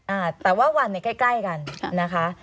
อ่าแต่ว่าวันใกล้กันนะคะ